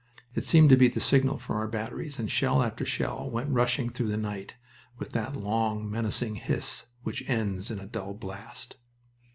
It seemed to be the signal for our batteries, and shell after shell went rushing through the night, with that long, menacing hiss which ends in a dull blast.